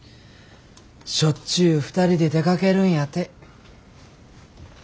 しょっちゅう２人で出かけるんやて。